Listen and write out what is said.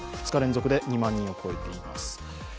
２日連続で２万人を超えています。